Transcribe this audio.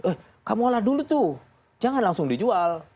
eh kamu olah dulu tuh jangan langsung dijual